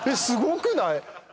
すごくない？